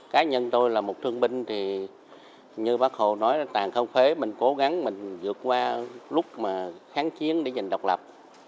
cá nhân tôi là một thương binh thì như bác hồ nói là tàn không phế mình cố gắng mình vượt qua lúc mà kháng chiến để giành độc lập